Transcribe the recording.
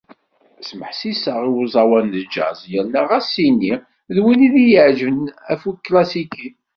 Smeḥsiseɣ i uẓawan n jazz yerna ɣas ini win i y-iεeǧben ɣef uklasiki.